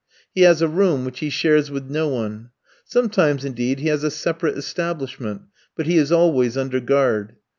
He has a room, which he shares with no one. Sometimes, indeed, he has a separate establishment, but he is always under guard.